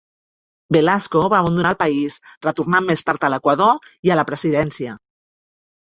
Velasco va abandonar el país, retornant més tard a l'Equador i a la presidència.